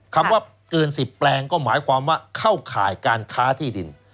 คำว่าเกิน๑๐แปลงก็หมายความว่าเข้าข่ายการค้าที่ดิน